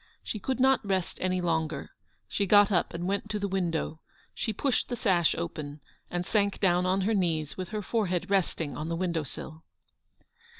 She could not rest any longer; she got up and went to the window; she pushed the sash open, and sank down on her knees with her forehead resting on the window sill.